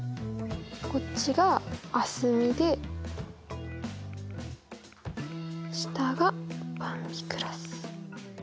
こっちがあすみで下がばんびクラス。